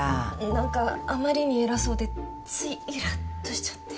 何かあまりに偉そうでついいらっとしちゃって。